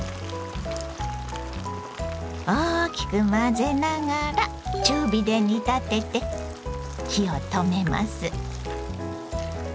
大きく混ぜながら中火で煮立てて火を止めます。